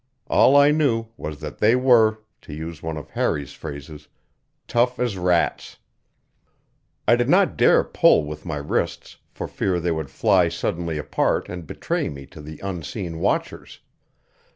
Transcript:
All I knew was that they were, to use one of Harry's phrases, "tough as rats." I did not dare pull with my wrists, for fear they would fly suddenly apart and betray me to the unseen watchers.